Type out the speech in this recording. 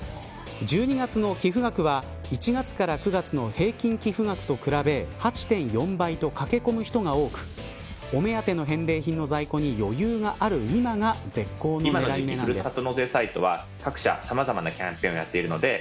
１２月の寄付額は１月から９月の平均寄付額と比べ８．４倍と駆け込む人が多くお目当ての返礼品の在庫に余裕がある今が絶好の狙い目なんです。